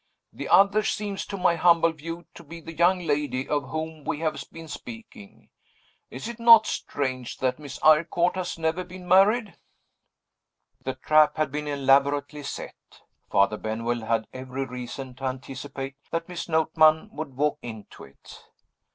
The other seems, to my humble view, to be the young lady of whom we have been speaking. Is it not strange that Miss Eyrecourt has never been married?" The trap had been elaborately set; Father Benwell had every reason to anticipate that Miss Notman would walk into it.